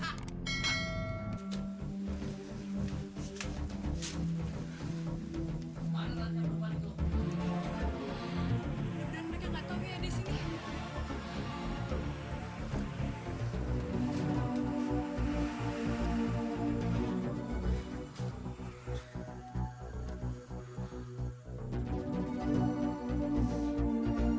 habis deh badan wintik